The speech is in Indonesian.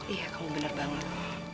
iya kamu bener banget